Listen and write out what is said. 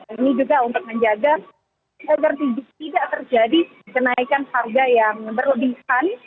ini juga untuk menjaga agar tidak terjadi kenaikan harga yang berlebihan